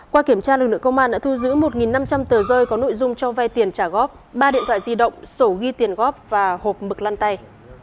qua kiểm tra lực lượng công an đã thu giữ một năm trăm linh tờ rơi có nội dung cho vai tiền trả góp ba điện thoại di động sổ ghi tiền góp và hộp bực lăn tay